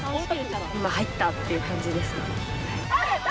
今、入ったっていう感じです。